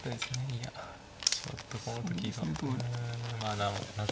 いやちょっとこの時うん。